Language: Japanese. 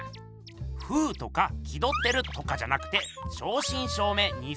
「風」とか「気どってる」とかじゃなくて正しん正めい